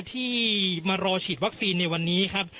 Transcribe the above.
ที่มารอฉีดวัคซีนในวันนี้ครับ